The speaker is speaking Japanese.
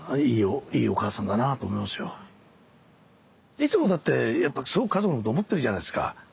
いつもだってやっぱすごく家族のこと思ってるじゃないですか。